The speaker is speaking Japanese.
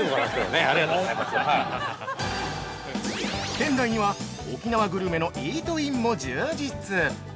◆店内には沖縄グルメのイートインも充実！